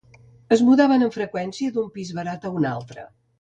Es mudaven amb freqüència d'un pis barat a un altre.